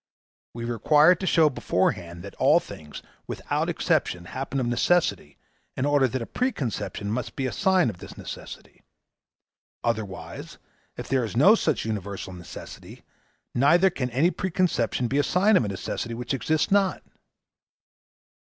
We require to show beforehand that all things, without exception, happen of necessity in order that a preconception may be a sign of this necessity. Otherwise, if there is no such universal necessity, neither can any preconception be a sign of a necessity which exists not.